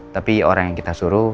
tapi orang yang kita suruh